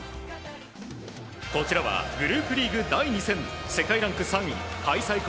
こちらはグループリーグ第２戦世界ランク３位開催国